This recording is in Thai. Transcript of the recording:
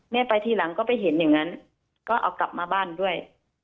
ไปทีหลังก็ไปเห็นอย่างนั้นก็เอากลับมาบ้านด้วย